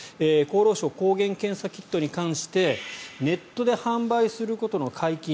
厚労省、抗原検査キットに関してネットで販売することの解禁